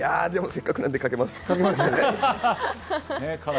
せっかくなんで、かけます。